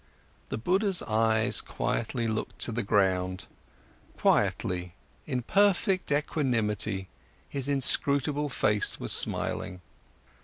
The Buddha's eyes quietly looked to the ground; quietly, in perfect equanimity his inscrutable face was smiling.